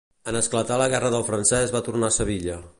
En esclatar la Guerra del Francès va tornar a Sevilla.